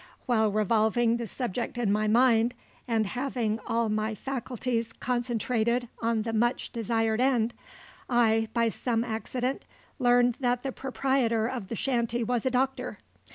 While revolving the subject in my mind, and having all my faculties concentrated on the much desired end, I, by some accident, learned that the proprietor of the shanty was a doctor.